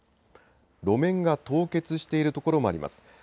路面が凍結しているところもあります。